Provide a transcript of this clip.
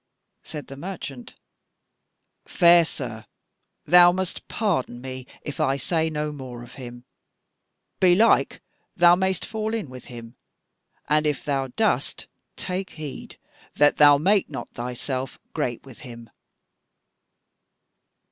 Said the merchant: "Fair sir, thou must pardon me if I say no more of him. Belike thou mayst fall in with him; and if thou dost, take heed that thou make not thyself great with him."